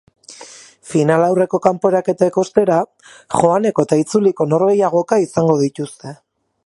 Finalaurreko kanporaketek, ostera, joaneko eta itzuliko norgehiagoka izango dituzte.